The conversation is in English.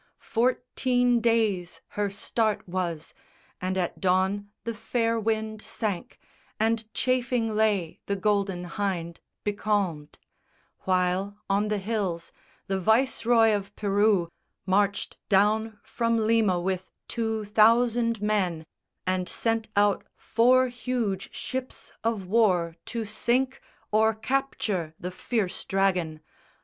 Fourteen days Her start was; and at dawn the fair wind sank, And chafing lay the Golden Hynde, becalmed; While, on the hills, the Viceroy of Peru Marched down from Lima with two thousand men, And sent out four huge ships of war to sink Or capture the fierce Dragon.